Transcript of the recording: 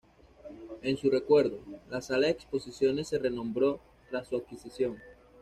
En su recuerdo, la sala de exposiciones se renombró tras su adquisición.